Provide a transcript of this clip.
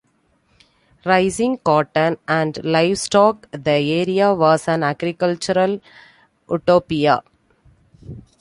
Raising cotton, and livestock, the area was an agricultural Utopia.